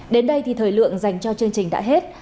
đến đây thì thời lượng dành cho chương trình đã hết